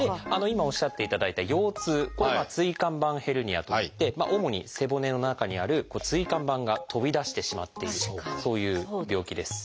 今おっしゃっていただいた腰痛これは「椎間板ヘルニア」といって主に背骨の中にある椎間板が飛び出してしまっているそういう病気です。